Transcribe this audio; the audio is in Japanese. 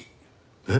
えっ？